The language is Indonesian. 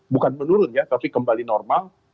bukan menurun ya tapi kembali normal